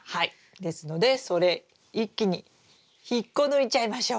ですのでそれ一気に引っこ抜いちゃいましょう。